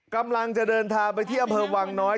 กำลังจะเดินทางไปที่อำเภอวังน้อย